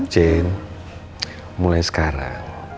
jen mulai sekarang